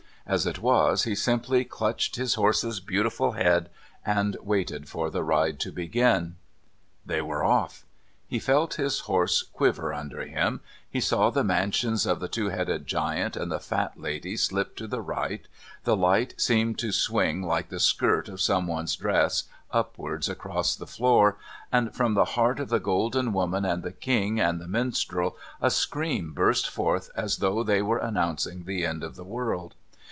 As it was, he simply clutched his horse's beautiful head and waited for the ride to begin... They were off! He felt his horse quiver under him, he saw the mansions of the Two Headed Giant and the Fat Lady slip to the right, the light seemed to swing like the skirt of someone's dress, upwards across the floor, and from the heart of the golden woman and the king and the minstrel a scream burst forth as though they were announcing the end of the world.